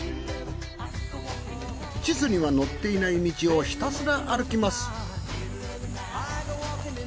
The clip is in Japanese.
地図には載っていない道をひたすら歩きます。